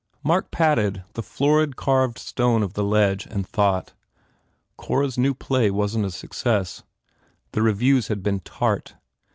Mark patted the florid carved stone of the ledge and thought. Cora s new play wasn t a success. The reviews had been tart.